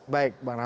baik bang ramad